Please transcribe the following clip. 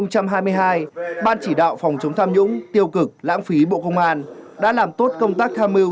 năm hai nghìn hai mươi hai ban chỉ đạo phòng chống tham nhũng tiêu cực lãng phí bộ công an đã làm tốt công tác tham mưu